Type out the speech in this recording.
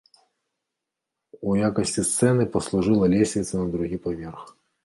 У якасці сцэны паслужыла лесвіца на другі паверх.